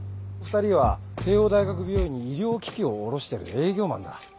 ２人は帝王大学病院に医療機器を卸してる営業マンだ。